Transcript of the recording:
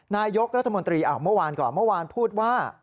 นายกรัฐมนตรีเมื่อวานก็พูดว่า